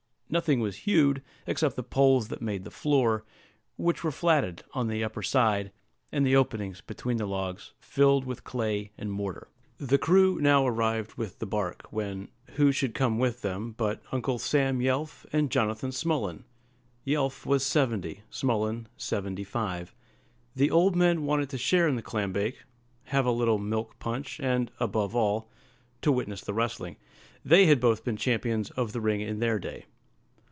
Nothing was hewed except the poles that made the floor, which were flatted on the upper side; and the openings between the logs filled with clay and mortar. The crew now arrived with the bark, when, who should come with them, but Uncle Sam Yelf and Jonathan Smullen! Yelf was seventy, Smullen seventy five. The old men wanted to share in the clam bake, have a little milk punch, and, above all, to witness the wrestling: they had both been champions of the ring in their day.